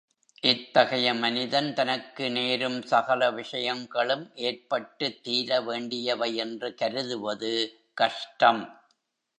இத்தகைய மனிதன் தனக்கு நேரும் சகல விஷயங்களும் ஏற்பட்டுத் தீரவேண்டியவை என்று கருதுவது கஷ்டம்.